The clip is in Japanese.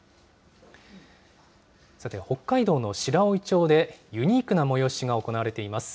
さて、北海道の白老町で、ユニークな催しが行われています。